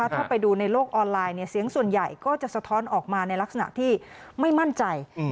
ถ้าไปดูในโลกออนไลน์เสียงส่วนใหญ่ก็จะสะท้อนออกมาในลักษณะที่ไม่มั่นใจ